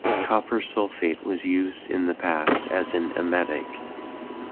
Copper sulfate was used in the past as an emetic.